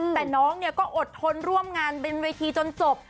แต่น้องเนี่ยก็อดทนร่วมงานเป็นเวทีจนจบ